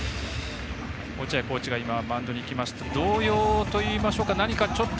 落合コーチが今マウンドに行きまして同様といいますか。